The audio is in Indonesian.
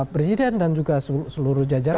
presiden dan juga seluruh jajaran